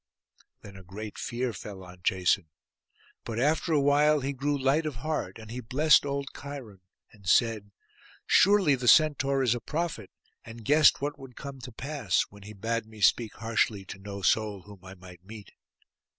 Then a great fear fell on Jason: but after a while he grew light of heart; and he blessed old Cheiron, and said, 'Surely the Centaur is a prophet, and guessed what would come to pass, when he bade me speak harshly to no soul whom I might meet.